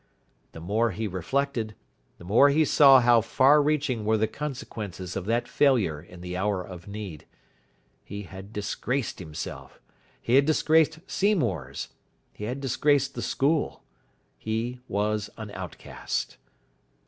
The more he reflected, the more he saw how far reaching were the consequences of that failure in the hour of need. He had disgraced himself. He had disgraced Seymour's. He had disgraced the school. He was an outcast.